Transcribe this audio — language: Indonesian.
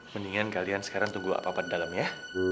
mendingan kalian sekarang tunggu apa apa di dalam ya